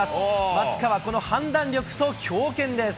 松川、この判断力と強肩です。